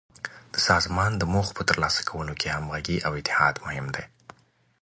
د سازمان د موخو په تر لاسه کولو کې همغږي او اتحاد مهم دي.